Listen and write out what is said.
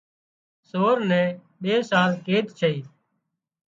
سور نين ٻي سال قيد ڇئي